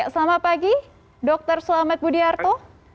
selamat pagi dr selamat budiarto